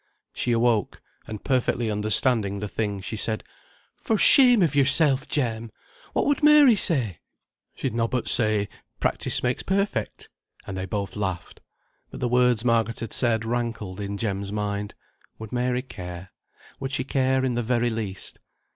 She awoke, and perfectly understanding the thing, she said, "For shame of yourself, Jem! What would Mary say?" Lightly said, lightly answered. "She'd nobbut say, practice makes perfect." And they both laughed. But the words Margaret had said rankled in Jem's mind. Would Mary care? Would she care in the very least?